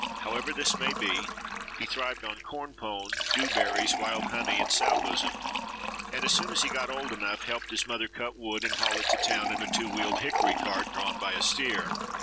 However this may be, he thrived on corn pone, dewberries, wild honey, and sow bosom, and as soon as he got old enough helped his mother cut wood and haul it to town in a two wheeled hickory cart drawn by a steer.